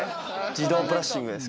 自動ブラッシングです